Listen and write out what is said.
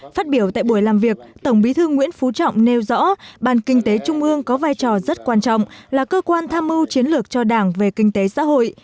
phát biểu tại buổi làm việc tổng bí thư nguyễn phú trọng nêu rõ ban kinh tế trung ương có vai trò rất quan trọng là cơ quan tham mưu chiến lược cho đảng về kinh tế xã hội